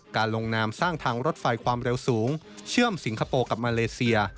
ลงนามสร้างทางรถไฟความเร็วสูงเชื่อมสิงคโปร์กับมาเลเซีย